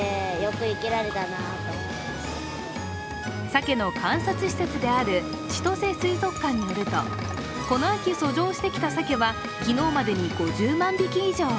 サケの観察施設である千歳水族館によると、この秋、遡上してきたサケは昨日までに５０万匹以上。